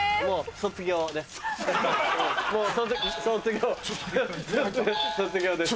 卒業です。